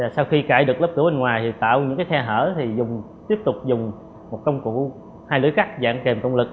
sau khi cãi được lớp cửa bên ngoài thì tạo những cái xe hở thì dùng tiếp tục dùng một công cụ hai lưới cắt dạng kèm công lực